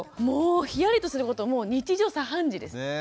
もうひやりとすること日常茶飯事です。